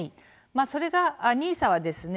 それが、ＮＩＳＡはですね